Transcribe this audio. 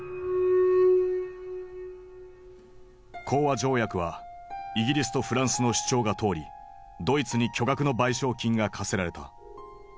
講和条約はイギリスとフランスの主張が通りドイツに巨額の賠償金が科せられた。